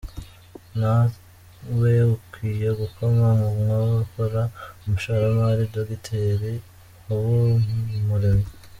Ntawe ukwiye gukoma mu nkokora umushoramari- Dogiteri. Habumuremyi